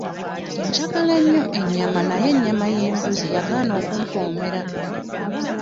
Njagala nnyo ennyama naye ennyama y'embuzi yagaana okumpoomera.